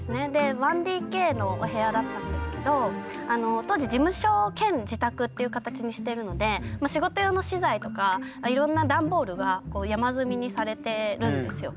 １ＤＫのお部屋だったんですけど当時事務所兼自宅っていう形にしてるので仕事用の資材とかいろんなダンボールが山積みにされてるんですよ。